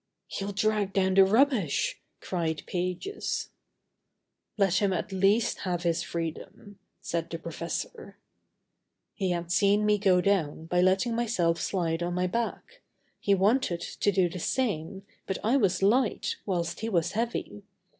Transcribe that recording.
"He'll drag down the rubbish!" cried Pages. "Let him at least have his freedom," said the professor. He had seen me go down by letting myself slide on my back. He wanted to do the same, but I was light, whilst he was heavy.